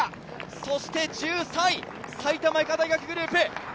そして１３位、埼玉医科大学グループ。